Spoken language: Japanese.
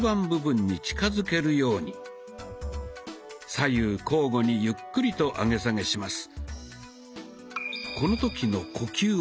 左右交互にゆっくりと上げ下げします。